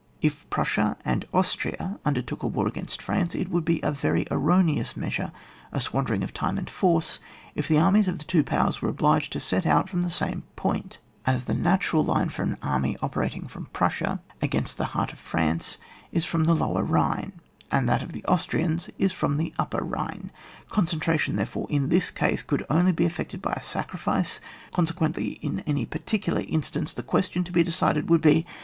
If Prussia and Austria undertook a war against France, it would be a very erroneous measure, a squan dering of time and force if the armies of the two powers were obliged to set out from the same point, as the natural line for an army operating from Prussia against the heart of France is from the Lower Bhine, and that of the Austrians is from the Upper Bhine. Concentration, therefore, in this case, could only be effected by a sacrifice ; consequently in any particular instance, the question to be decided would be.